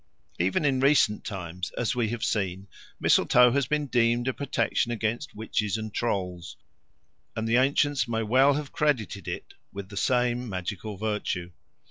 Even in recent times, as we have seen, mistletoe has been deemed a protection against witches and trolls, and the ancients may well have credited it with the same magical virtue.